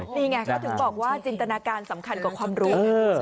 นี่ไงเขาถึงบอกว่าจินตนาการสำคัญกว่าความรู้